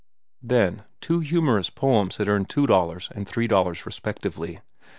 Then two humorous poems had earned two dollars and three dollars respectively.